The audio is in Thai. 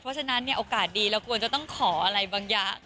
เพราะฉะนั้นเนี่ยโอกาสดีเราควรจะต้องขออะไรบางอย่าง